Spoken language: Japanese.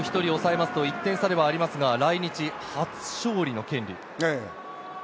ただ中畑さんもあと１人抑えますと、１点差ではありますが、来日初勝利の権利。